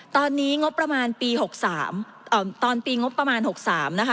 ตอนนี้งบประมาณปี๖๓ตอนปีงบประมาณ๖๓นะคะ